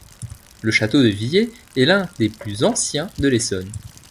Le château de Villiers, est l'un des plus anciens de l'Essonne.